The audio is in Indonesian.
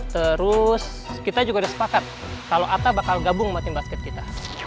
terus kita juga udah sepakat kalau atta bakal gabung sama tim basket kita